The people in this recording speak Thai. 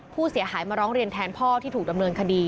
ผู้เสียหายมาร้องเรียนแทนพ่อที่ถูกดำเนินคดี